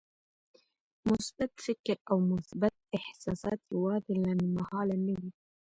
مثبت فکر او مثبت احساسات يوازې لنډمهاله نه وي.